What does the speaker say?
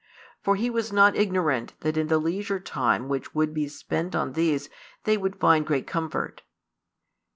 For he was not ignorant that in the leisure time which would be spent on these they would find great comfort.